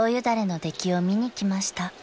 だれの出来を見に来ました］